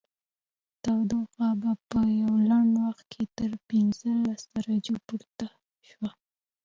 تودوخه په یوه لنډ وخت کې تر پنځلس درجو پورته شوه